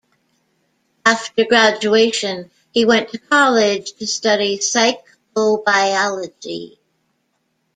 After graduation, he went to college to study psychobiology.